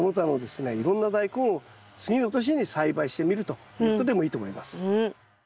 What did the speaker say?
いろんなダイコンを次の年に栽培してみるということでもいいと思います。